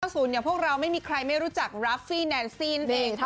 ภาษูนย์พวกเราไม่มีใครไม่รู้จักรัฟฟี่แนนซี่นเอง